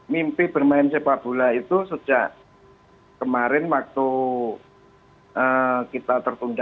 mimpi bermain sepak bola itu sejak kemarin waktu kita tertunda